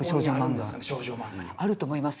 あると思います。